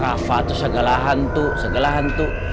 rafa tuh segala hantu segala hantu